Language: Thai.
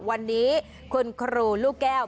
วันนี้คุณครูลูกแก้ว